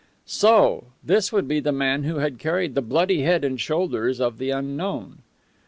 So! This would be the man who had carried the bloody head and shoulders of the unknown.